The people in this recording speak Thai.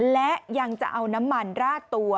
และยังจะเอาน้ำมันราดตัว